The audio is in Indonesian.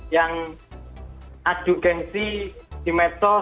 yang adu gengsi di metode